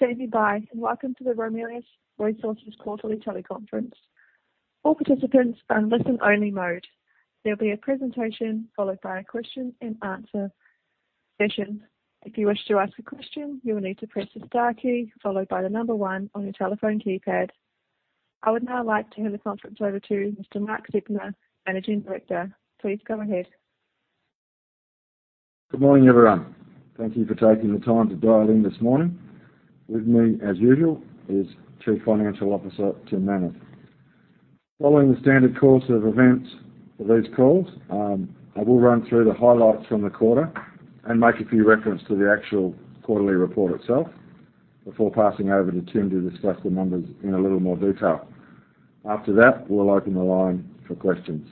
Thank you for standing by, and welcome to the Ramelius Resources Quarterly Teleconference. All participants are in listen only mode. There'll be a presentation followed by a question-and-answer session. If you wish to ask a question, you will need to press the star key followed by the number one on your telephone keypad. I would now like to hand the conference over to Mr. Mark Zeptner, Managing Director. Please go ahead. Good morning, everyone. Thank you for taking the time to dial in this morning. With me, as usual, is Chief Financial Officer, Tim Manners. Following the standard course of events for these calls, I will run through the highlights from the quarter and make a few references to the actual quarterly report itself before passing over to Tim to discuss the numbers in a little more detail. After that, we'll open the line for questions.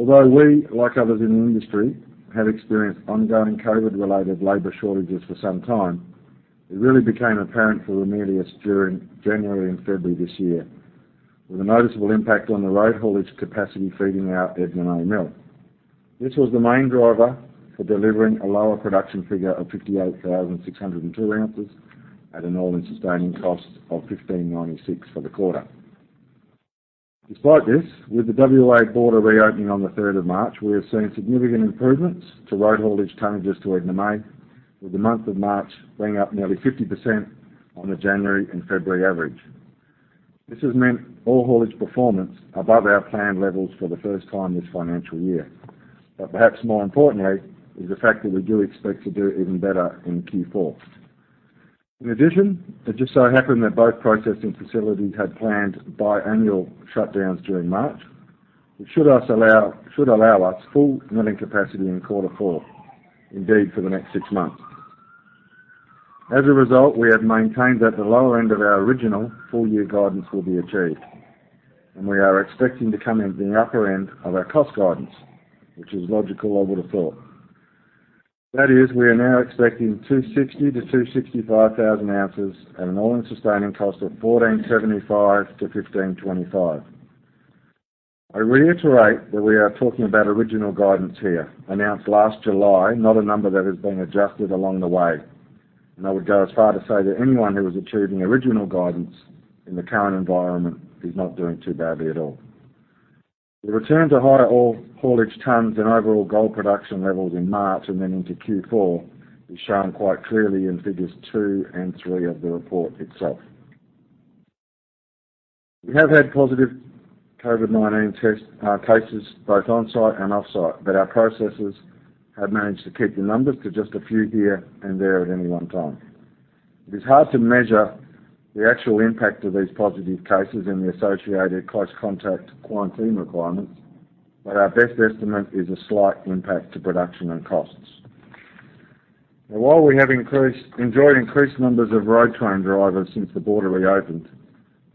Although we, like others in the industry, have experienced ongoing COVID-related labor shortages for some time, it really became apparent for Ramelius during January and February this year, with a noticeable impact on the road haulage capacity feeding our Edna May Mill. This was the main driver for delivering a lower production figure of 58,602 ounces at an all-in sustaining cost of 1,596 for the quarter. Despite this, with the WA border reopening on the third of March, we are seeing significant improvements to road haulage tonnages to Edna May, with the month of March being up nearly 50% on the January and February average. This has meant all haulage performance above our planned levels for the first time this financial year. Perhaps more importantly is the fact that we do expect to do even better in Q4. In addition, it just so happened that both processing facilities had planned biannual shutdowns during March. It should allow us full milling capacity in quarter four, indeed for the next six months. As a result, we have maintained that the lower end of our original full year guidance will be achieved, and we are expecting to come in the upper end of our cost guidance, which is logical, I would have thought. That is, we are now expecting 260-265 thousand ounces at an all-in sustaining cost of 1,475-1,525. I reiterate that we are talking about original guidance here, announced last July, not a number that has been adjusted along the way. I would go as far to say that anyone who is achieving original guidance in the current environment is not doing too badly at all. The return to higher haul, haulage tonnes and overall gold production levels in March and then into Q4 is shown quite clearly in figures two and three of the report itself. We have had positive COVID-19 test cases, both on-site and off-site, but our processes have managed to keep the numbers to just a few here and there at any one time. It is hard to measure the actual impact of these positive cases and the associated close contact quarantine requirements, but our best estimate is a slight impact to production and costs. While we have enjoyed increased numbers of road train drivers since the border reopened,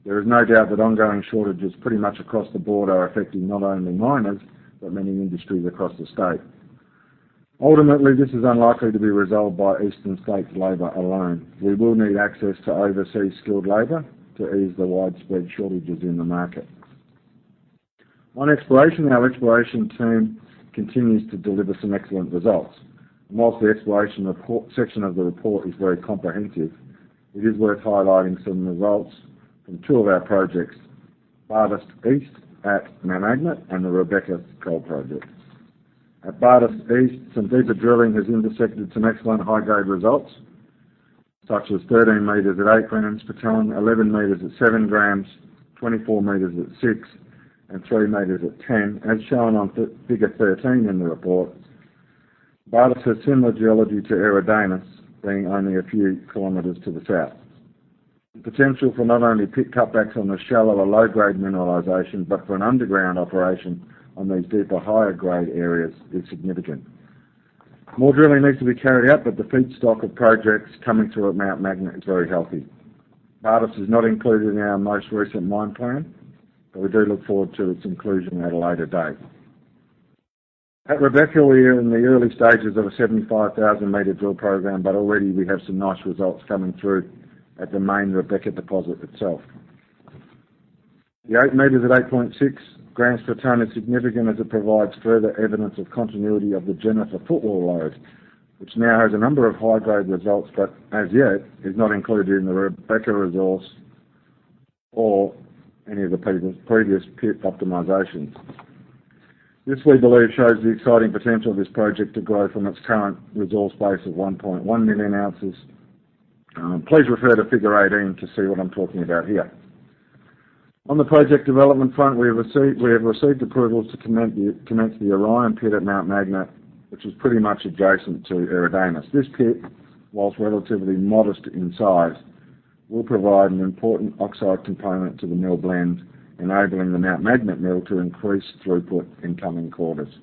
there is no doubt that ongoing shortages pretty much across the board are affecting not only miners, but many industries across the state. Ultimately, this is unlikely to be resolved by Eastern State's labor alone. We will need access to overseas skilled labor to ease the widespread shortages in the market. On exploration, our exploration team continues to deliver some excellent results. While the section of the report is very comprehensive, it is worth highlighting some results from two of our projects, Bartus East at Mt Magnet and the Rebecca Gold Project. At Bartus East, some deeper drilling has intersected some excellent high-grade results, such as 13 meters at eight grams per tonne, 11 meters at seven grams, 24 meters at six, and three meters at 10, as shown on figure 13 in the report. Bartus has similar geology to Eridanus, being only a few kilometers to the south. The potential for not only pit cutbacks on the shallower low-grade mineralization, but for an underground operation on these deeper, higher-grade areas is significant. More drilling needs to be carried out, but the feedstock of projects coming through at Mt Magnet is very healthy. Bartus is not included in our most recent mine plan, but we do look forward to its inclusion at a later date. At Rebecca, we are in the early stages of a 75,000-meter drill program, but already we have some nice results coming through at the main Rebecca deposit itself. The eight meters at 8.6 grams per tonne is significant as it provides further evidence of continuity of the Jennifer footwall lode, which now has a number of high-grade results, but as yet is not included in the Rebecca resource or any of the previous pit optimizations. This, we believe, shows the exciting potential of this project to grow from its current resource base of 1.1 million ounces. Please refer to figure 18 to see what I'm talking about here. On the project development front, we have received approvals to commence the Orion pit at Mt Magnet, which is pretty much adjacent to Eridanus. This pit, while relatively modest in size, will provide an important oxide component to the mill blend, enabling the Mt Magnet mill to increase throughput in coming quarters.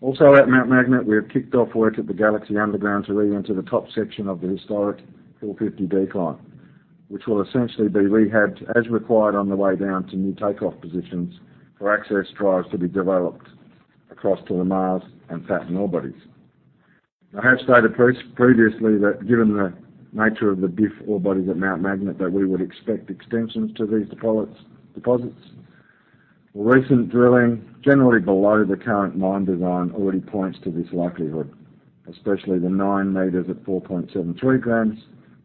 Also at Mt Magnet, we have kicked off work at the Galaxy underground to re-enter the top section of the historic 450 decline, which will essentially be rehabbed as required on the way down to new take-off positions for access drives to be developed across to the Mars and Saturn ore bodies. I have stated previously that given the nature of the BIF ore bodies at Mount Magnet, that we would expect extensions to these deposits. Recent drilling generally below the current mine design already points to this likelihood, especially the nine meters at 4.73 grams,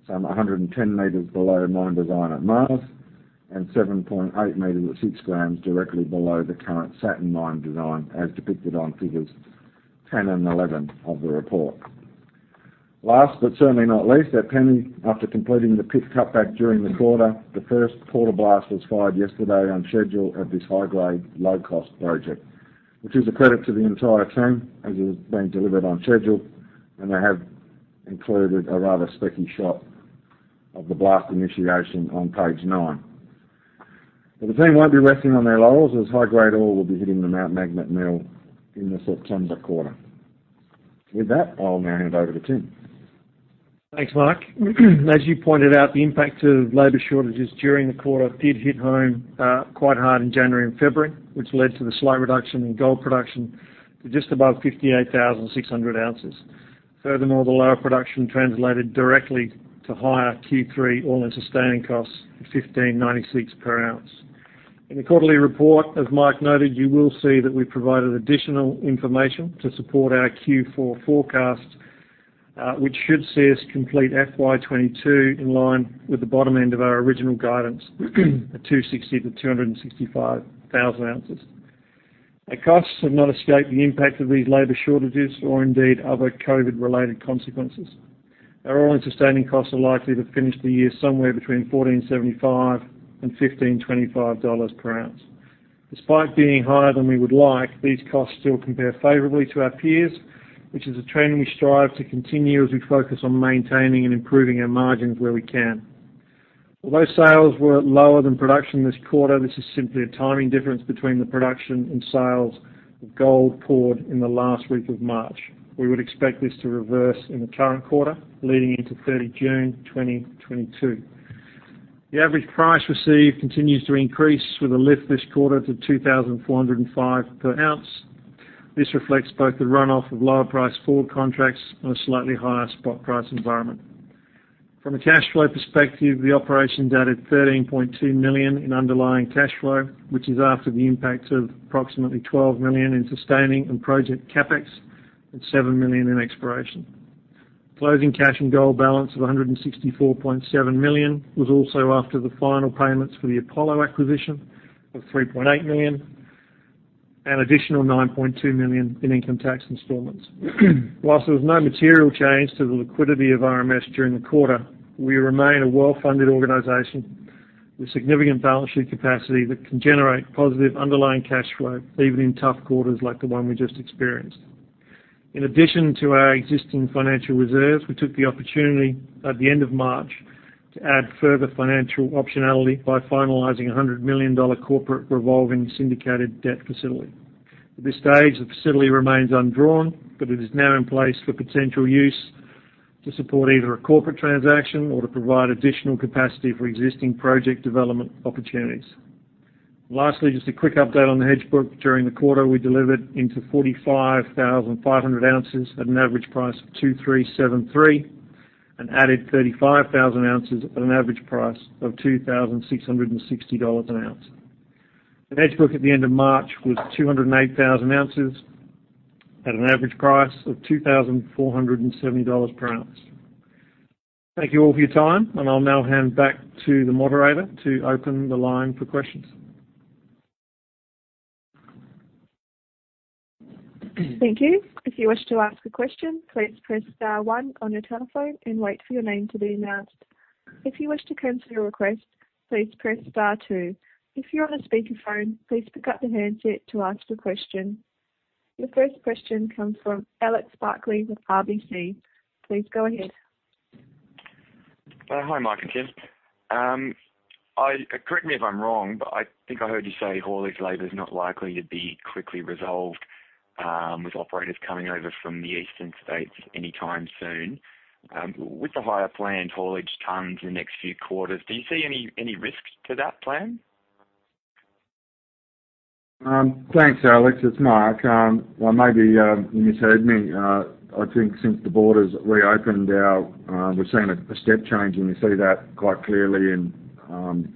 some 110 meters below mine design at Mars, and 7.8 meters at six grams directly below the current Saturn mine design as depicted on figures 10 and 11 of the report. Last, but certainly not least, at Penny, after completing the pit cutback during the quarter, the first quarter blast was fired yesterday on schedule at this high-grade, low-cost project, which is a credit to the entire team, as it has been delivered on schedule, and I have included a rather speccy shot of the blast initiation on page nine. The team won't be resting on their laurels, as high-grade ore will be hitting the Mount Magnet mill in the September quarter. With that, I'll now hand over to Tim. Thanks, Mike. As you pointed out, the impact of labor shortages during the quarter did hit home quite hard in January and February, which led to the slight reduction in gold production to just above 58,600 ounces. Furthermore, the lower production translated directly to higher Q3 all-in sustaining costs, 1,596 per ounce. In the quarterly report, as Mike noted, you will see that we provided additional information to support our Q4 forecast, which should see us complete FY 2022 in line with the bottom end of our original guidance, at 260,000-265,000 ounces. Our costs have not escaped the impact of these labor shortages or indeed other COVID-related consequences. Our all-in sustaining costs are likely to finish the year somewhere between 1,475 and 1,525 dollars per ounce. Despite being higher than we would like, these costs still compare favorably to our peers, which is a trend we strive to continue as we focus on maintaining and improving our margins where we can. Although sales were lower than production this quarter, this is simply a timing difference between the production and sales of gold poured in the last week of March. We would expect this to reverse in the current quarter, leading into 30 June, 2022. The average price received continues to increase with a lift this quarter to 2,405 per ounce. This reflects both the runoff of lower price forward contracts and a slightly higher spot price environment. From a cash flow perspective, the operations added 13.2 million in underlying cash flow, which is after the impact of approximately 12 million in sustaining and project CapEx and 7 million in exploration. Closing cash and gold balance of 164.7 million was also after the final payments for the Apollo acquisition of 3.8 million and additional 9.2 million in income tax installments. While there was no material change to the liquidity of RMS during the quarter, we remain a well-funded organization with significant balance sheet capacity that can generate positive underlying cash flow, even in tough quarters like the one we just experienced. In addition to our existing financial reserves, we took the opportunity at the end of March to add further financial optionality by finalizing 100 million dollar corporate revolving syndicated debt facility. At this stage, the facility remains undrawn, but it is now in place for potential use to support either a corporate transaction or to provide additional capacity for existing project development opportunities. Lastly, just a quick update on the hedge book. During the quarter, we delivered into 45,500 ounces at an average price of $2,373 and added 35,000 ounces at an average price of $2,660 an ounce. The hedge book at the end of March was 208,000 ounces at an average price of $2,470 per ounce. Thank you all for your time, and I'll now hand back to the moderator to open the line for questions. Thank you. If you wish to ask a question, please press star one on your telephone and wait for your name to be announced. If you wish to cancel your request, please press star two. If you're on a speakerphone, please pick up the handset to ask the question. Your first question comes from Alex Barclay with RBC. Please go ahead. Hi, Mike and Tim. Correct me if I'm wrong, but I think I heard you say haulage labor is not likely to be quickly resolved, with operators coming over from the eastern states anytime soon. With the higher planned haulage tons in the next few quarters, do you see any risk to that plan? Thanks, Alex. It's Mark. Well, maybe you misheard me. I think since the borders reopened, we've seen a step change, and you see that quite clearly in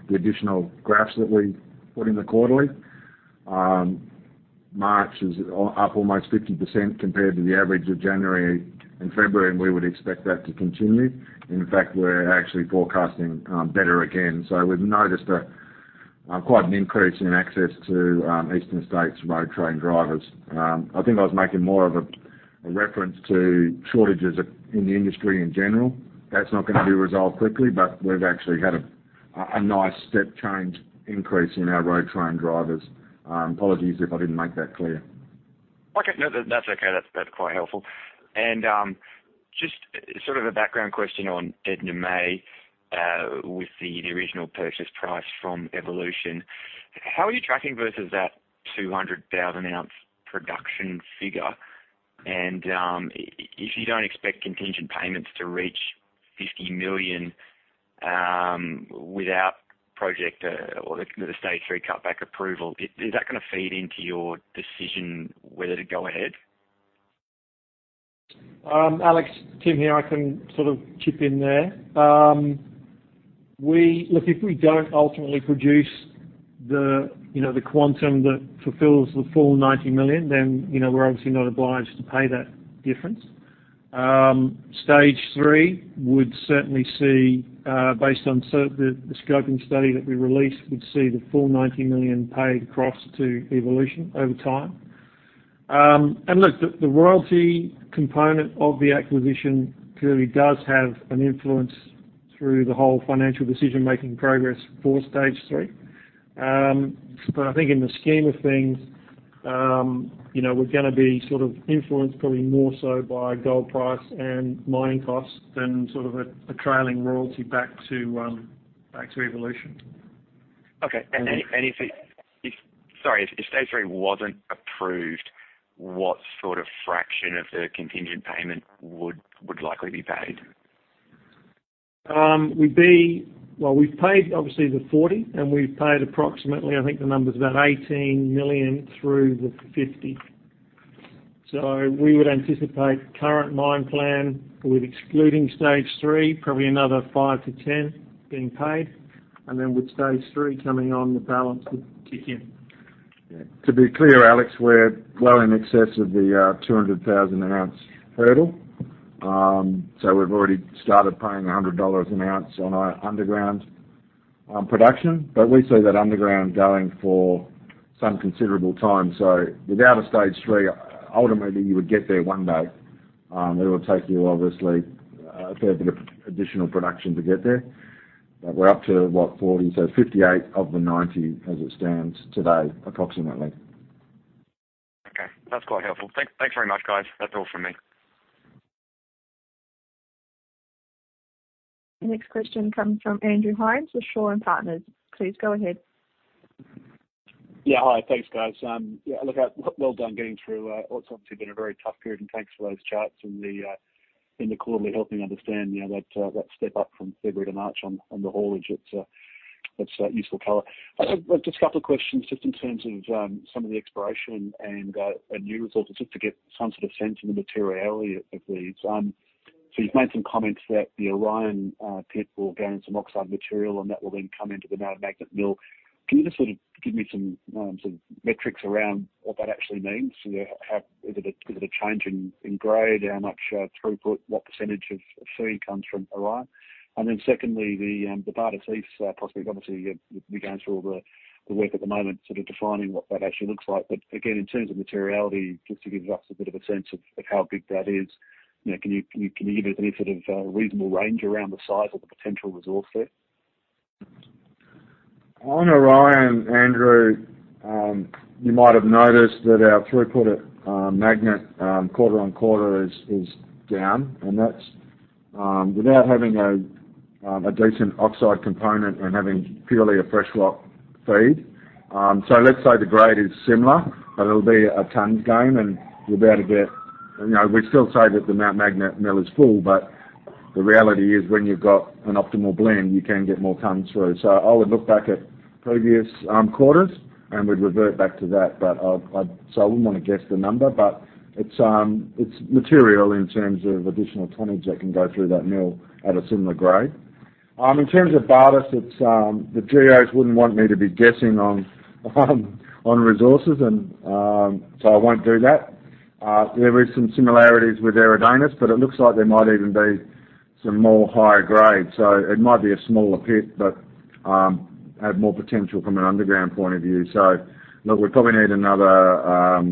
the additional graphs that we put in the quarterly. March is up almost 50% compared to the average of January and February, and we would expect that to continue. In fact, we're actually forecasting better again. We've noticed quite an increase in access to eastern states' road train drivers. I think I was making more of a reference to shortages in the industry in general. That's not gonna be resolved quickly, but we've actually had a nice step change increase in our road train drivers. Apologies if I didn't make that clear. Okay. No, that's okay. That's quite helpful. Just sort of a background question on Edna May with the original purchase price from Evolution. How are you tracking versus that 200,000 ounce production figure? If you don't expect contingent payments to reach 50 million without project or the stage three cutback approval, is that gonna feed into your decision whether to go ahead? Alex Barkley, Tim Manners here, I can sort of chip in there. Look, if we don't ultimately produce the quantum that fulfills the full 90 million, then, you know, we're obviously not obliged to pay that difference. Stage 3 would certainly see, based on the scoping study that we released, we'd see the full 90 million paid across to Evolution over time. Look, the royalty component of the acquisition clearly does have an influence through the whole financial decision-making process for stage three. I think in the scheme of things, you know, we're gonna be sort of influenced probably more so by gold price and mining costs than sort of a trailing royalty back to back to Evolution. Okay. Sorry, if Stage 3 wasn't approved, what sort of fraction of the contingent payment would likely be paid? We've paid obviously the 40, and we've paid approximately, I think the number's about 18 million through the 50. We would anticipate current mine plan with excluding stage three, probably another five-10 being paid. Then with stage 3 coming on, the balance would kick in. To be clear, Alex, we're well in excess of the 200,000 ounce hurdle. We've already started paying 100 dollars an ounce on our underground production. We see that underground going for some considerable time. Without a stage 3, ultimately, you would get there one day. It'll take you obviously a fair bit of additional production to get there. We're up to, what, 40, so 58 of the 90 as it stands today, approximately. Okay. That's quite helpful. Thanks very much, guys. That's all from me. The next question comes from Andrew Hines with Shaw and Partners. Please go ahead. Yeah. Hi. Thanks, guys. Yeah, look, well done getting through what's obviously been a very tough period, and thanks for those charts and the quarterly helping understand, you know, that step up from February to March on the haulage. It's useful color. Just a couple of questions just in terms of some of the exploration and a new resource, just to get some sort of sense of the materiality of these. So you've made some comments that the Orion pit will gain some oxide material and that will then come into the Mt Magnet mill. Can you just sort of give me some sort of metrics around what that actually means? You know, how--is it a change in grade? How much throughput? What percentage of fee comes from Orion? Then secondly, the Bartus East prospect, obviously, you're going through all the work at the moment sort of defining what that actually looks like. But again, in terms of materiality, just to give us a bit of a sense of how big that is. You know, can you give any sort of reasonable range around the size of the potential resource there? On Eridanus, Andrew, you might have noticed that our throughput at Mt Magnet quarter-over-quarter is down, and that's without having a decent oxide component and having purely a fresh rock feed. Let's say the grade is similar, but it'll be a tonnes gain. You know, we still say that the Mt Magnet mill is full, but the reality is when you've got an optimal blend, you can get more tonnes through. I would look back at previous quarters, and we'd revert back to that. I wouldn't wanna guess the number, but it's material in terms of additional tonnage that can go through that mill at a similar grade. In terms of Bartus, it's the geos wouldn't want me to be guessing on resources and so I won't do that. There is some similarities with Eridanus, but it looks like there might even be some more higher grades. It might be a smaller pit, but have more potential from an underground point of view. Look, we probably need another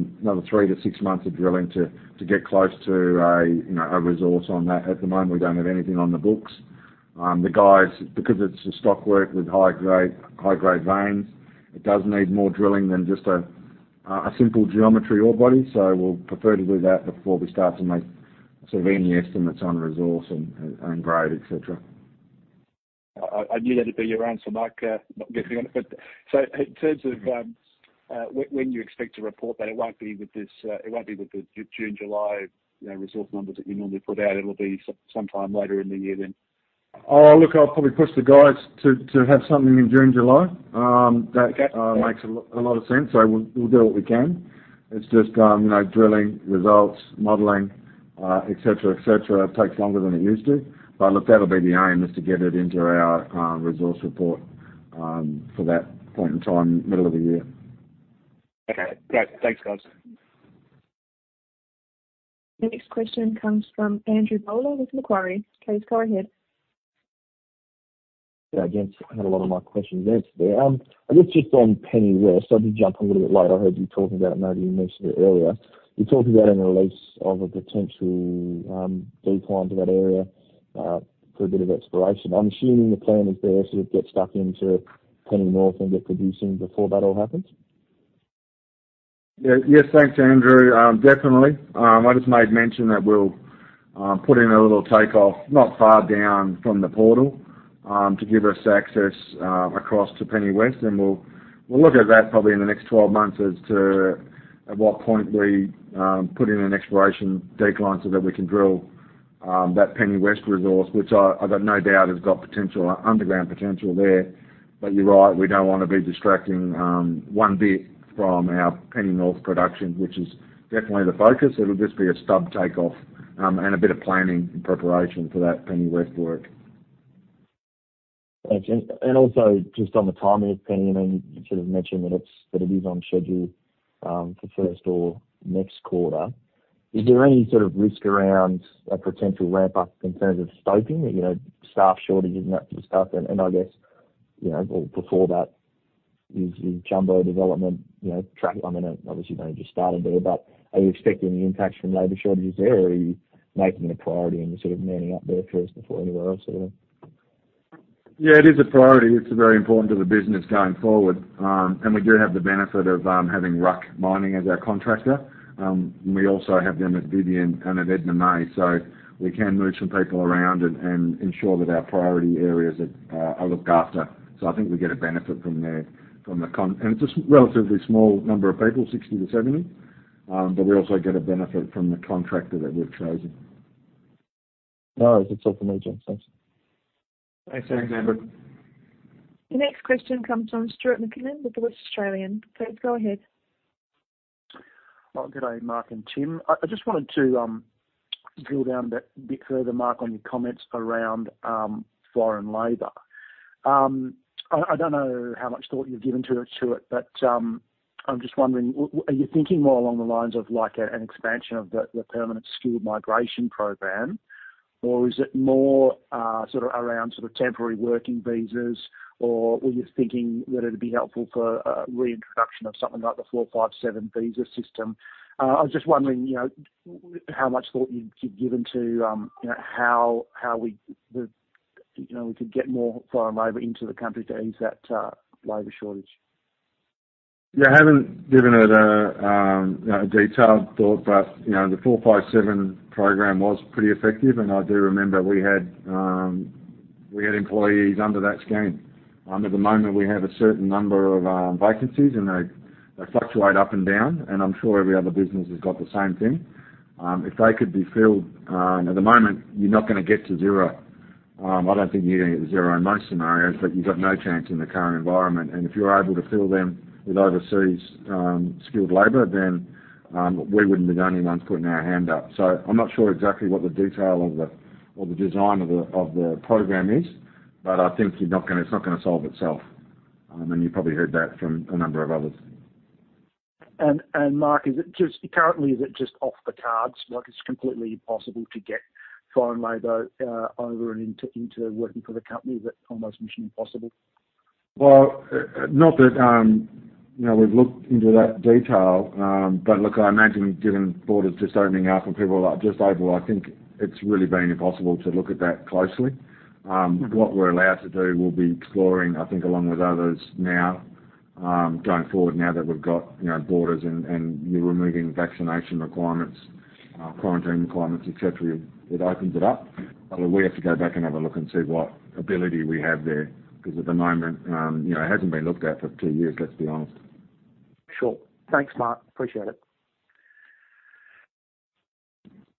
three-six months of drilling to get close to a, you know, a resource on that. At the moment, we don't have anything on the books. The guys, because it's a stockwork with high-grade veins, it does need more drilling than just a simple geometry ore body. We'll prefer to do that before we start to make sort of any estimates on resource and grade, et cetera. I knew that'd be your answer, Mike. Not getting on it. In terms of when you expect to report that, it won't be with the June/July, you know, resource numbers that you normally put out. It'll be sometime later in the year then? Oh, look, I'll probably push the guys to have something in June/July. That Okay. Makes a lot of sense. We'll do what we can. It's just, you know, drilling results, modeling, et cetera, takes longer than it used to. Look, that'll be the aim, is to get it into our resource report for that point in time, middle of the year. Okay, great. Thanks, guys. The next question comes from Andrew Bowler with Macquarie. Please go ahead. Yeah, gents, I had a lot of my questions answered there. I guess just on Penny West, I did jump on a little bit late. I heard you talking about it, maybe you mentioned it earlier. You talked about a release of a potential decline to that area for a bit of exploration. I'm assuming the plan is there sort of get stuck into Penny North and get producing before that all happens? Yeah. Yes. Thanks, Andrew. Definitely. I just made mention that we'll put in a little takeoff not far down from the portal to give us access across to Penny West. We'll look at that probably in the next 12 months as to at what point we put in an exploration decline so that we can drill That Penny West resource, which I got no doubt has got potential, underground potential there. You're right, we don't wanna be distracting, one bit from our Penny North production, which is definitely the focus. It'll just be a stub take off, and a bit of planning and preparation for that Penny West work. Thanks. Also just on the timing of Penny, I mean, you sort of mentioned that it is on schedule for first or next quarter. Is there any sort of risk around a potential ramp up in terms of scoping, you know, staff shortages and that sort of stuff? I guess, you know, or before that is the jumbo development on track, I mean, obviously you've only just started there. Are you expecting any impacts from labor shortages there? Are you making it a priority and sort of manning up there first before anywhere else sort of? Yeah, it is a priority. It's very important to the business going forward. We do have the benefit of having RUC Mining as our contractor. We also have them at Vivien and at Edna May. We can move some people around and ensure that our priority areas are looked after. I think we get a benefit from there, from the contractor. It's just relatively small number of people, 60-70. We also get a benefit from the contractor that we've chosen. All right. That's all from me, James. Thanks. Thanks, Andrew. The next question comes from Stuart McKinnon with The West Australian. Please go ahead. Well, good day, Mark and Tim. I just wanted to drill down a bit further, Mark, on your comments around foreign labor. I don't know how much thought you've given to it, but I'm just wondering, are you thinking more along the lines of like an expansion of the permanent skilled migration program? Or is it more sort of around temporary working visas? Or were you thinking that it'd be helpful for a reintroduction of something like the 457 visa system? I was just wondering, you know, how much thought you'd given to, you know, how we could get more foreign labor into the country to ease that labor shortage. Yeah, I haven't given it a you know a detailed thought, but you know the 457 program was pretty effective. I do remember we had employees under that scheme. At the moment, we have a certain number of vacancies, and they fluctuate up and down, and I'm sure every other business has got the same thing. If they could be filled, and at the moment, you're not gonna get to zero. I don't think you're getting zero in most scenarios, but you've got no chance in the current environment. If you're able to fill them with overseas skilled labor, then we wouldn't be the only ones putting our hand up. I'm not sure exactly what the detail of the or the design of the program is, but I think you're not gonna. It's not gonna solve itself. You probably heard that from a number of others. Mark, is it just currently off the cards? Like, it's completely impossible to get foreign labor over and into working for the company. Is it almost mission impossible? Well, not that, you know, we've looked into that detail. Look, I imagine given borders just opening up and people are just able, I think it's really been impossible to look at that closely. What we're allowed to do, we'll be exploring, I think, along with others now, going forward now that we've got, you know, borders and you're removing vaccination requirements, quarantine requirements, et cetera. It opens it up. We have to go back and have a look and see what ability we have there. Because at the moment, you know, it hasn't been looked at for two years, let's be honest. Sure. Thanks, Mark. Appreciate it.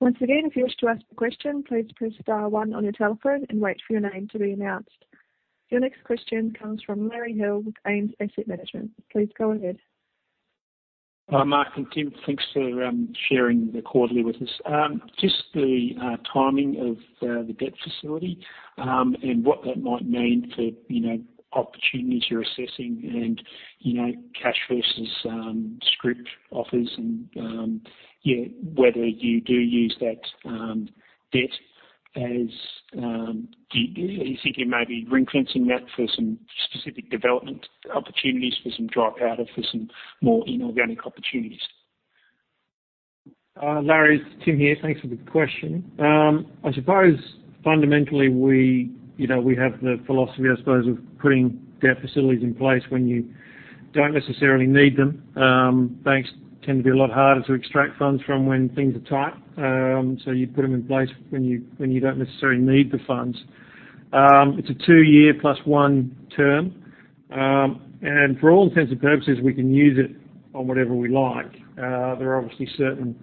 Once again, if you wish to ask a question, please press star one on your telephone and wait for your name to be announced. Your next question comes from Larry Hill with AIMS Asset Management. Please go ahead. Mark and Tim, thanks for sharing the quarterly with us. Just the timing of the debt facility and what that might mean for, you know, opportunities you're assessing and, you know, cash versus scrip offers and, yeah, whether you do use that debt as, are you thinking maybe ring-fencing that for some specific development opportunities for some drill out or for some more inorganic opportunities? Larry, it's Tim here. Thanks for the question. I suppose fundamentally, we, you know, we have the philosophy, I suppose, of putting debt facilities in place when you don't necessarily need them. Banks tend to be a lot harder to extract funds from when things are tight. You put them in place when you don't necessarily need the funds. It's a two-year plus one term. For all intents and purposes, we can use it on whatever we like. There are obviously certain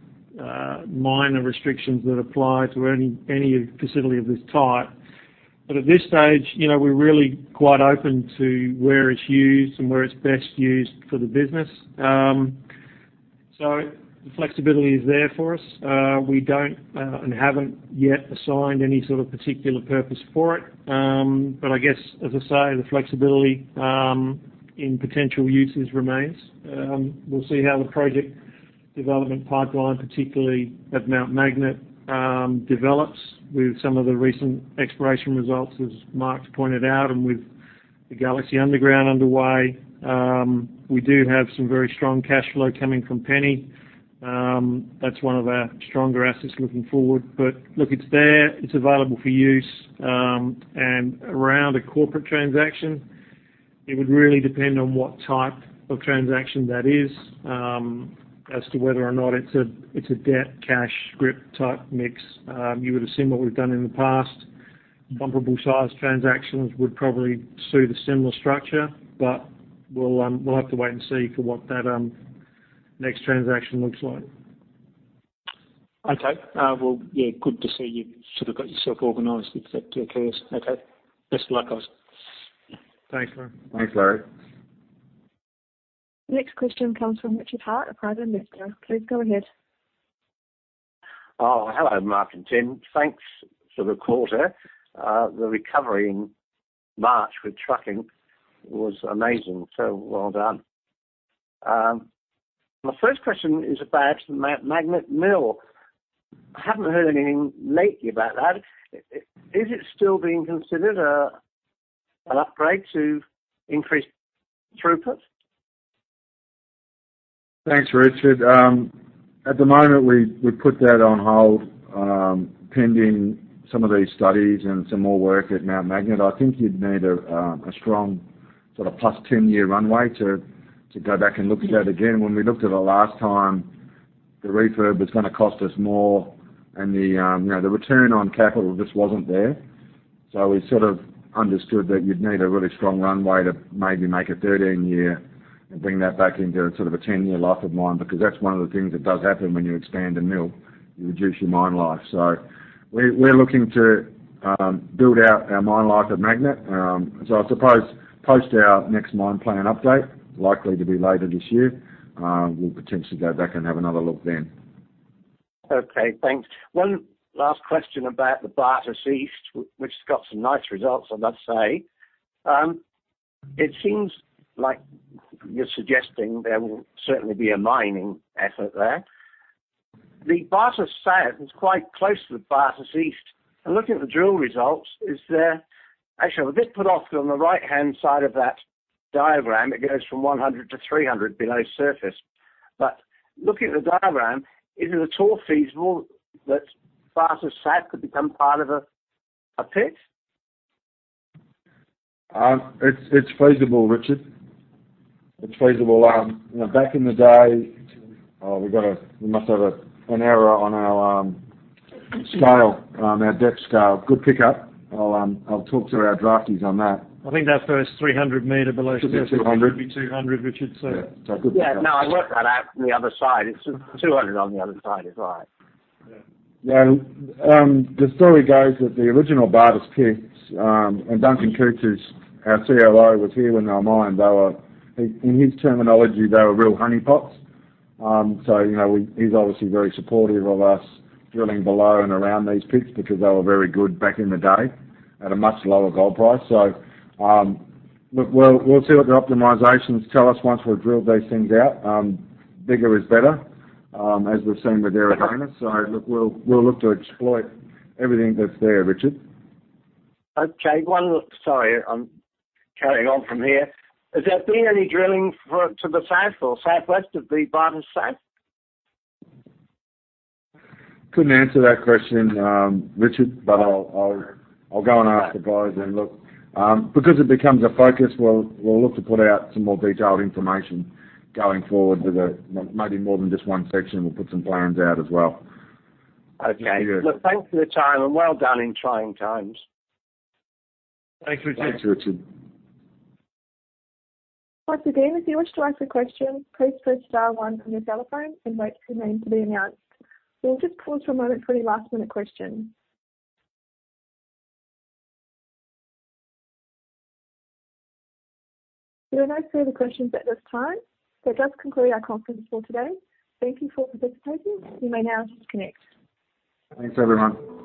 minor restrictions that apply to any facility of this type. At this stage, you know, we're really quite open to where it's used and where it's best used for the business. The flexibility is there for us. We don't and haven't yet assigned any sort of particular purpose for it. I guess, as I say, the flexibility in potential uses remains. We'll see how the project development pipeline, particularly at Mt Magnet, develops with some of the recent exploration results, as Mark's pointed out, and with the Galaxy Underground underway. We do have some very strong cash flow coming from Penny. That's one of our stronger assets looking forward. Look, it's there, it's available for use, and around a corporate transaction. It would really depend on what type of transaction that is, as to whether or not it's a debt, cash, scrip type mix. You would have seen what we've done in the past. Comparable size transactions would probably suit a similar structure, but we'll have to wait and see for what that next transaction looks like. Okay. Well, yeah, good to see you sort of got yourself organized if that does occur. Okay. Best of luck, guys. Thanks, Larry. Thanks, Larry. Next question comes from Richard Hart, a private investor. Please go ahead. Oh, hello, Mark and Tim. Thanks for the quarter. The recovery in March with trucking was amazing. Well done. My first question is about Mt Magnet Mill. I haven't heard anything lately about that. Is it still being considered, an upgrade to increase throughput? Thanks, Richard. At the moment, we put that on hold, pending some of these studies and some more work at Mt Magnet. I think you'd need a strong sort of +10-year runway to go back and look at that again. When we looked at it last time, the refurb was gonna cost us more and the, you know, the return on capital just wasn't there. We sort of understood that you'd need a really strong runway to maybe make it 13-year and bring that back into sort of a 10-year life of mine, because that's one of the things that does happen when you expand a mill, you reduce your mine life. We're looking to build out our mine life at Mt Magnet. I suppose post our next mine plan update, likely to be later this year, we'll potentially go back and have another look then. Okay, thanks. One last question about the Bartus East, which has got some nice results, I must say. It seems like you're suggesting there will certainly be a mining effort there. The Bartus South is quite close to the Bartus East. Looking at the drill results, actually, I was a bit put off on the right-hand side of that diagram. It goes from 100-300 below surface. Looking at the diagram, is it at all feasible that Bartus South could become part of a pit? It's feasible, Richard. It's feasible. You know, back in the day, we must have an error on our scale, our depth scale. Good pickup. I'll talk to our drafters on that. I think the first 300 meters below surface. Should be 200. Should be 200, Richard, so. Yeah. Good pickup. Yeah. No, I worked that out the other side. It's 200 on the other side, is right. Yeah. The story goes that the original Bartus pits and Duncan Coutts, who's our COO, was here when they were mined. They were. In his terminology, they were real honeypots. You know, he's obviously very supportive of us drilling below and around these pits because they were very good back in the day at a much lower gold price. Look, we'll see what the optimizations tell us once we've drilled these things out. Bigger is better, as we've seen with Eridanus. Look, we'll look to exploit everything that's there, Richard. Sorry, I'm carrying on from here. Has there been any drilling to the south or southwest of the Bartus South? Couldn't answer that question, Richard, but I'll go and ask the guys and look. Because it becomes a focus, we'll look to put out some more detailed information going forward, maybe more than just one section. We'll put some plans out as well. Okay. Yeah. Look, thanks for the time, and well done in trying times. Thanks, Richard. Thanks, Richard. Once again, if you wish to ask a question, please press star one on your telephone and wait for your name to be announced. We'll just pause for a moment for any last-minute questions. There are no further questions at this time. That does conclude our conference call today. Thank you for participating. You may now disconnect. Thanks, everyone.